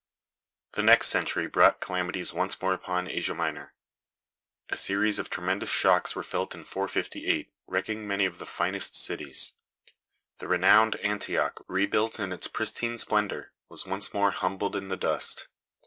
The next century brought calamities once more upon Asia Minor. A series of tremendous shocks were felt in 458, wrecking many of the finest cities. The renowned Antioch, rebuilt in its pristine splendor, was once more humbled in the dust.